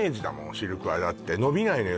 シルクはだって伸びないのよ